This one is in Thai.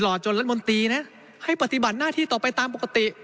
จนรัฐมนตรีนะให้ปฏิบัติหน้าที่ต่อไปตามปกติ